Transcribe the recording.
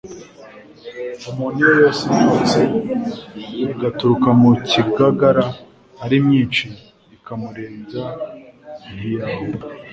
Umuntu iyo yosa imyotsi igaturuka mu kigagara ari myinshi, ikamurembya, ntiyahuga